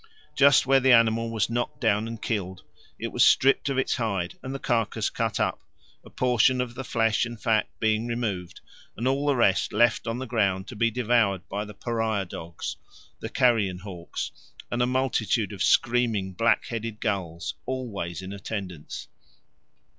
Just where the animal was knocked down and killed, it was stripped of its hide and the carcass cut up, a portion of the flesh and the fat being removed and all the rest left on the ground to be devoured by the pariah dogs, the carrion hawks, and a multitude of screaming black headed gulls always in attendance.